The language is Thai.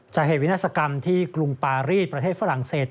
เหตุวินาศกรรมที่กรุงปารีสประเทศฝรั่งเศส